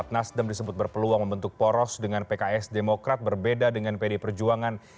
nasdem disebut berpeluang membentuk poros dengan pks demokrat berbeda dengan pd perjuangan